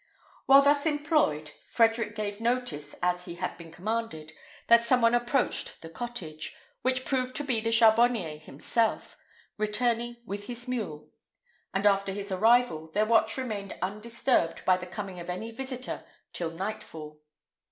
While thus employed, Frederick gave notice, as he had been commanded, that some one approached the cottage, which proved to be the charbonier himself, returning with his mule; and after his arrival, their watch remained undisturbed by the coming of any visitor till nightfall.